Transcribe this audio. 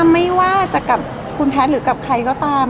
ไม่ว่าจะกับคุณแพทย์หรือกับใครก็ตาม